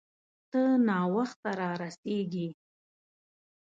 ته ناوخته را رسیږې